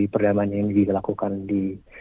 perdamaian yang dilakukan di